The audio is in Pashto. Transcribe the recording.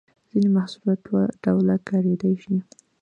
ځینې محصولات دوه ډوله کاریدای شي.